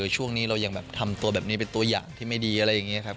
ช่วงนี้เรายังแบบทำตัวแบบนี้เป็นตัวอย่างที่ไม่ดีอะไรอย่างนี้ครับ